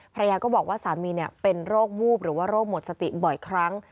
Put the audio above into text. ภรรยาก็บอกว่าสามีเป็นโรควูบหรือว่าโรคหมดสติบ่อยครั้ง